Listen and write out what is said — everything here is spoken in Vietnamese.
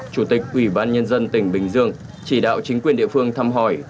chủ tịch ủy ban nhân dân tỉnh bình dương chỉ đạo chính quyền địa phương thăm hỏi